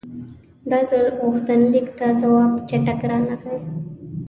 دا ځل غوښتنلیک ته ځواب چټک رانغی.